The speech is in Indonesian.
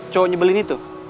cowok nyebelin itu